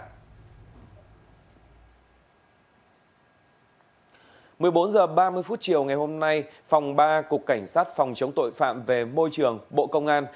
một mươi bốn h ba mươi phút chiều ngày hôm nay phòng ba cục cảnh sát phòng chống tội phạm về môi trường bộ công an